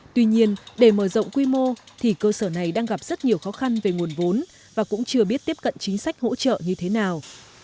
tuy nhiên để mở rộng quy mô thì cơ sở này đang gặp rất nhiều khó khăn về nguồn vốn và cũng chưa biết tiếp cận chính sách hỗ trợ như thế nào